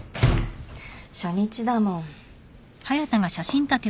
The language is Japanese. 初日だもん。